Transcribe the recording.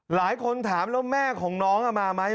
หลายคนถามแล้วแม่ของน้องมาไหม